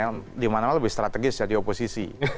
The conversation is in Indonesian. sebenarnya di mana mana lebih strategis jadi oposisi